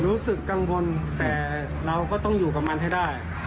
รู้สึกกังวลแต่เราก็ต้องอยู่กับมันให้ได้